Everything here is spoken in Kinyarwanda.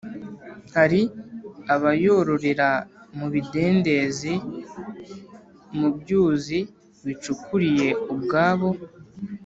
hari abayororera mu bidendezi no mu byuzi bicukuriye ubwabo,